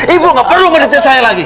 ibu gak perlu ngeliti saya lagi